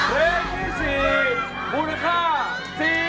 เพลงที่๔มูลค่า๔๘๐๐๐บาท